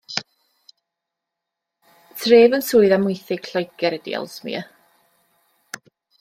Tref yn Swydd Amwythig, Lloegr ydy Ellesmere.